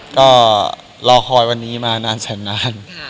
ก็รอคอยวันนี้มานานแสนนาน